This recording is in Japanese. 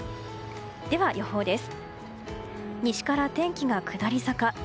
では、予報です。